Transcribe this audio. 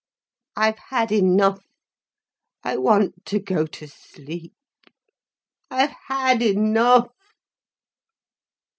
"I've had enough—I want to go to sleep. I've had enough."